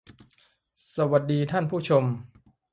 สวัสดีท่านผู้ชม